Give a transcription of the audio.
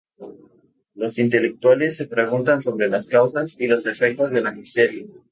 Los intelectuales se preguntan sobre las causas y los efectos de la miseria.